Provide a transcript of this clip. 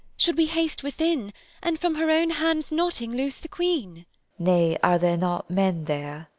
Should we haste within, And from her own hand's knotting loose the Queen? ANOTHER Nay, are there not men there?